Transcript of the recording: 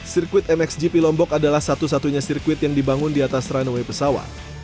sirkuit mxgp lombok adalah satu satunya sirkuit yang dibangun di atas runway pesawat